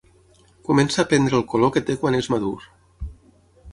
Comença a prendre el color que té quan és madur.